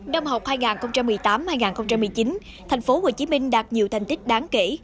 năm học hai nghìn một mươi tám hai nghìn một mươi chín tp hcm đạt nhiều thành tích đáng kể